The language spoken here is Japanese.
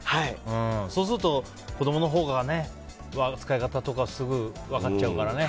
そうすると、子供のほうが使い方とか分かっちゃうからね。